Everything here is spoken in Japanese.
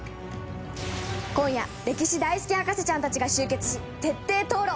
今夜歴史大好き博士ちゃんたちが集結し徹底討論。